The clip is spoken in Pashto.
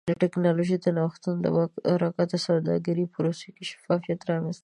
د ټکنالوژۍ د نوښتونو له برکته د سوداګرۍ پروسې کې شفافیت رامنځته کیږي.